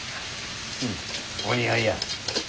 うんお似合いや。